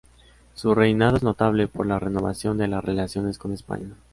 Su reinado es notable por la renovación de las relaciones con España.